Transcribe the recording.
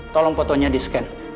tolong fotonya di scan